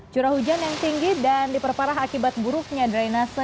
curah hujan yang tinggi dan diperparah akibat buruknya drainase